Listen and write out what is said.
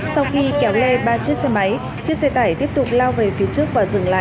sau khi kéo lê ba chiếc xe máy chiếc xe tải tiếp tục lao về phía trước và dừng lại